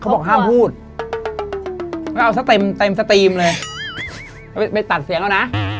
เขาบอกห้ามพูดเอาเต็มสตรีมเลยไปตัดเสียงเอานะ